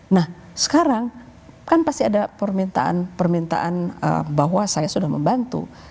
nah sekarang kan pasti ada permintaan permintaan bahwa saya sudah membantu